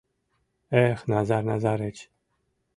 Эх, Назар Назарыч!